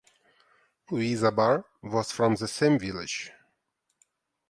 Louis Zabar was from the same village.